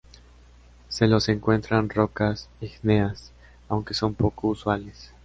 Se los encuentra en rocas ígneas, aunque son poco usuales.